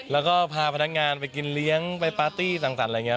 แล้วก็พาพนักงานไปกินเลี้ยงไปปาร์ตี้สั่งสรรค์อะไรอย่างนี้